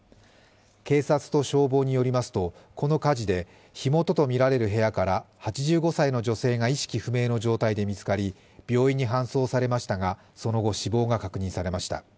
警察と消防によりますとこの火事で火元とみられる部屋から８５歳の女性が意識不明の状態で見つかり病院に搬送されましたがその後、死亡が確認されました。